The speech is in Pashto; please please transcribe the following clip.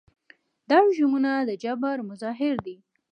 دا رژیمونه د جبر مظاهر دي.